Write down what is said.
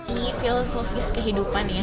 ini filosofis kehidupan ya